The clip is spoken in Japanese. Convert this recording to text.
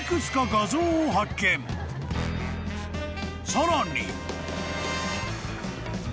［さらに］